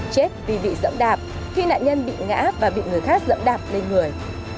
chết vì bị dẫm đạp khi nạn nhân bị ngã và bị người khác dẫm đạp lên người